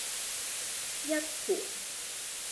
一盆